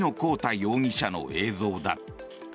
容疑者の映像だ。